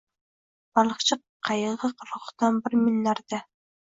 Baliqchi qayig‘i qirg‘oqdan bir mil narida.